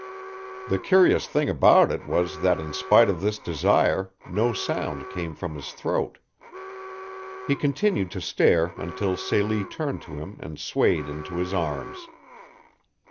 The curious thing about it was that in spite of this desire no sound came from his throat. He continued to stare until Celie turned to him and swayed into his arms.